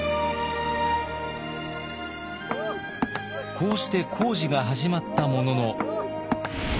こうして工事が始まったものの。